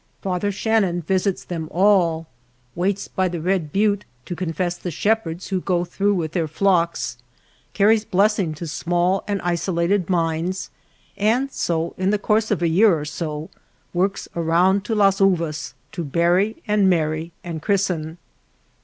Father / Shannon visits them all, waits by the Red ' Butte to confess the shepherds who go through with their flocks, carries blessing to small and isolated mines, and so in the course of a year or so works around to Las Uvas to bury and marry and christen.